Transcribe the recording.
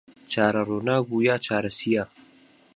چارە ڕووناک بوو یا چارە سیا